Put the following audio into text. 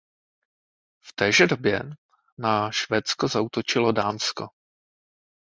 V téže době na Švédsko zaútočilo Dánsko.